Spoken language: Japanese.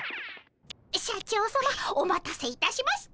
社長さまお待たせいたしました。